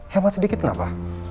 hemat sedikit kenapa